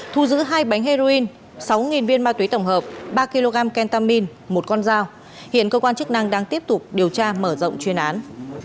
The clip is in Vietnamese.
thu giữ hai bánh heroin sáu viên ma túy tổng hợp ba kg kentamin một con dao hiện cơ quan chức năng đang tiếp tục điều tra mở rộng chuyên án